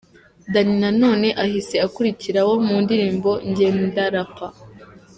Danny Nanone ahise akurikiraho mu ndirimbo ’Njye Ndarapa’.